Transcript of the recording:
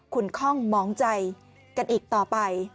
คุณค่องมองใจกันอีกต่อไป